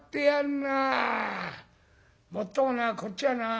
もっともなこっちはな